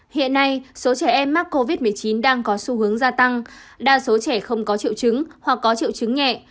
hiện nay số trẻ em mắc covid một mươi chín đang có xu hướng gia tăng đa số trẻ không có triệu chứng hoặc có triệu chứng nhẹ